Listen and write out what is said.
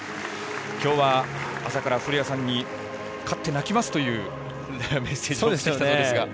きょうは、朝から古屋さんに勝って泣きますというメッセージもきたということですが。